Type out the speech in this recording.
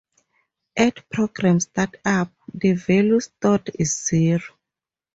At program startup, the value stored is zero.